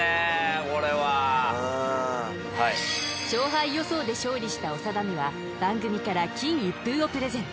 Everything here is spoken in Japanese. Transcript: これはうん勝敗予想で勝利した長田には番組から金一封をプレゼント